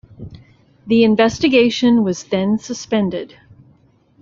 The investigation was then suspended.